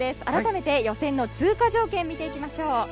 改めて予選の通過条件を見ていきましょう。